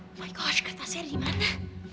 oh my gosh kertasnya dimana